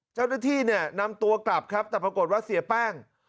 เจ้าหน้าที่เนี่ยนำตัวกลับครับแต่ปรากฏว่าเสียแป้ง